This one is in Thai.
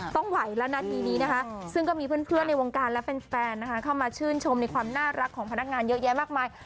ต้องไหวแล้วนาทีนี้นะคะซึ่งก็มีเพื่อนในวงการและแฟนนะคะเข้ามาชื่นชมในความน่ารักของพนักงานเยอะแยะมากมาย